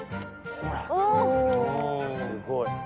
すごい！